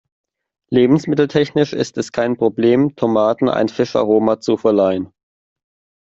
Lebensmitteltechnisch ist es kein Problem, Tomaten ein Fischaroma zu verleihen.